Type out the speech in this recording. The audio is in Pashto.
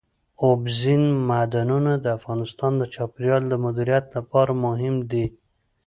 اوبزین معدنونه د افغانستان د چاپیریال د مدیریت لپاره مهم دي.